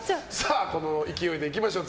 この勢いで行きましょう。